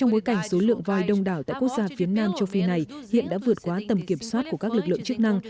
và số lượng voi đông đảo tại quốc gia phía nam châu phi này hiện đã vượt qua tầm kiểm soát của các lực lượng chức năng